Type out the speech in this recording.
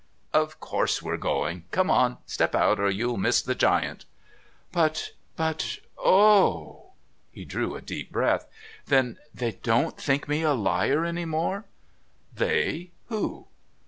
"Of course we're going. Come on step out or you'll miss the Giant." "But but oh!" he drew a deep breath. "Then they don't think me a liar any more?" "They who?"